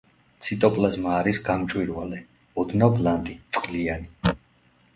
ციტოპლაზმა არის გამჭვირვალე, ოდნავ ბლანტი, წყლიანი.